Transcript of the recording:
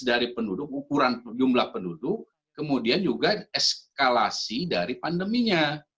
dari penduduk ukuran jumlah penduduk kemudian juga eskalasi dari pandeminya